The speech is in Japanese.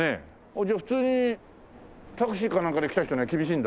じゃあ普通にタクシーかなんかで来た人には厳しいんだ。